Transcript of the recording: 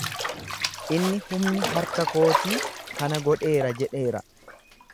Inni humni harka kootii kana godheera jedheera.